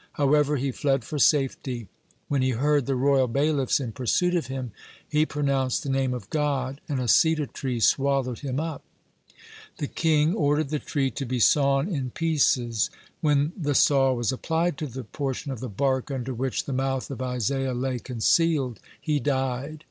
However, he fled for safety. When he heard the royal bailiffs in pursuit of him, he pronounced the Name of God, and a cedar tree swallowed him up. The king ordered the tree to be sawn in pieces. When the saw was applied to the portion of the bark under which the mouth of Isaiah lay concealed, he died.